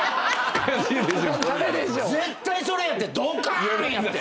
絶対それやってドッカーンやって。